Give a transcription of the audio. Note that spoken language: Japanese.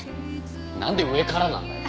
なんで上からなんだよ！